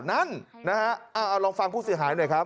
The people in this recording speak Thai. นั่นนะฮะเอาลองฟังผู้เสียหายหน่อยครับ